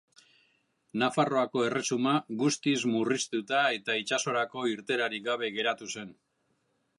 Nafarroako Erresuma guztiz murriztuta eta itsasorako irteerarik gabe geratu zen.